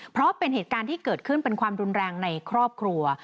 เพราะเป็นเหตุการณ์ที่เกิดขึ้นเป็นความรุนแรงในครอบครัว